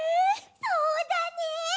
そうだね！